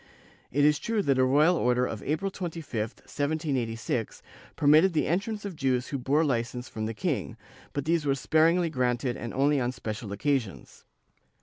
^ It is true that a royal order of April 25, 1786, permitted the entrance of Jews who bore Ucence from the king, but these were sparingly granted and only on special occasions.